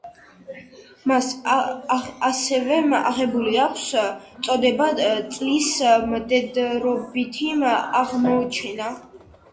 მას ასევე აღებული აქვს წოდება „წლის მდედრობითი აღმოჩენა“.